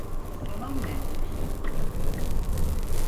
Tamam ne?